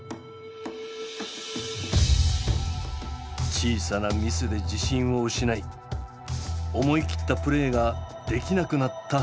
小さなミスで自信を失い思い切ったプレーができなくなった齋藤。